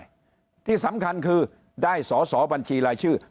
เสร็จแล้วเขาจึงไม่ได้ที่สำคัญคือได้สอสอบัญชีรายชื่อ